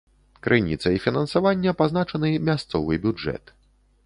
Крыніцай фінансавання пазначаны мясцовы бюджэт.